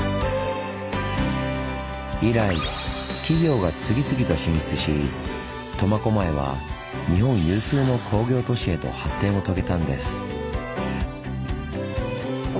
以来企業が次々と進出し苫小牧は日本有数の工業都市へと発展を遂げたんです。